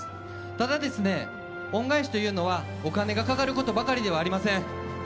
ただ、恩返しというのはお金がかかることばかりではありません。